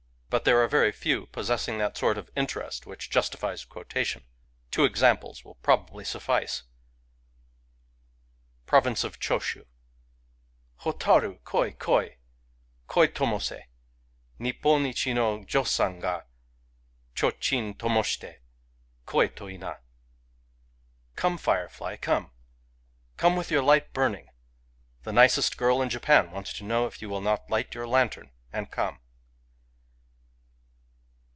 But there are very few possessing that sort of in terest which justifies quotation. Two examples will probably suffice :— {Province of Choshu.) Hotaru, koi ! koi i Koi tomose ! Nippon ichi no Josan ga, Ch5chin tomoshite, Koi to inal Digitized by Google FIREFLIES 151 Come, firefly, come ! Come with your light burning ! The nicest girl in Japan wants to know if you will not light your lantern and come!